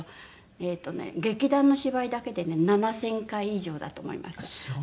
えっとね劇団の芝居だけでね７０００回以上だと思います。